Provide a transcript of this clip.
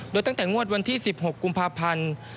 โดยตั้งแต่งวดวันที่๑๖กุมภาพันธ์